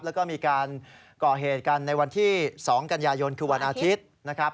แล้วก็มีการก่อเหตุกันในวันที่๒กันยายนคือวันอาทิตย์นะครับ